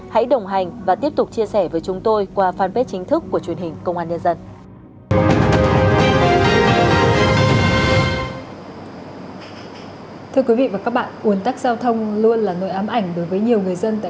hãy đồng hành và tiếp tục chia sẻ với chúng tôi qua fanpage chính thức của truyền hình công an nhân dân